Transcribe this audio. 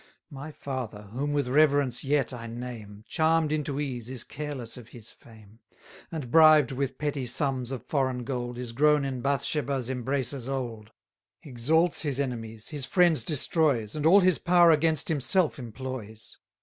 My father, whom with reverence yet I name, Charm'd into ease, is careless of his fame; And bribed with petty sums of foreign gold, Is grown in Bathsheba's embraces old; 710 Exalts his enemies, his friends destroys, And all his power against himself employs.